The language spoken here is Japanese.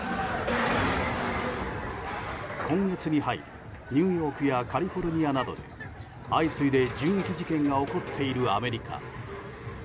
今月に入り、ニューヨークやカリフォルニアなどで相次いで銃撃事件が起こっているアメリカ。